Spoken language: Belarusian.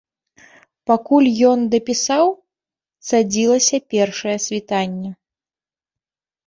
Пакуль ён дапісаў, цадзілася першае світанне.